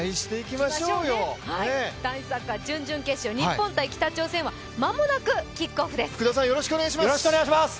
男子サッカー準々決勝、日本×北朝鮮は間もなくキックオフです。